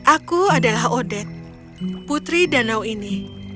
aku adalah odet putri danau ini